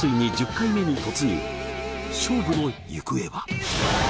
勝負の行方は？